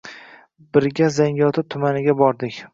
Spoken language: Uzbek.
Birga Zangiota tumaniga bordik.